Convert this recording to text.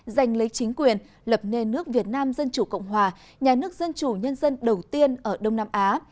giành lấy chính quyền lập nên nước việt nam dân chủ cộng hòa nhà nước dân chủ nhân dân đầu tiên ở đông nam á